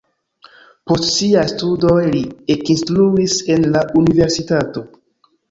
Post siaj studoj li ekinstruis en la universitato.